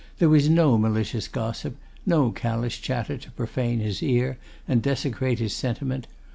There was no malicious gossip, no callous chatter to profane his ear and desecrate his sentiment.